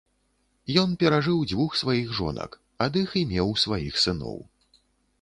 Ён перажыў дзвюх сваіх жонак, ад іх і меў сваіх сыноў.